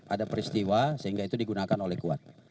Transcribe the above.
ada peristiwa sehingga itu digunakan oleh kuat